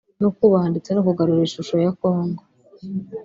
no kubaha ndetse no kugarura ishusho ya Congo